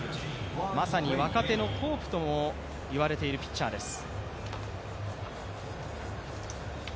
まさに若手のホープともいわれているピッチャーです。